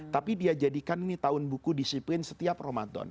tapi dia jadikan ini tahun buku disiplin setiap ramadan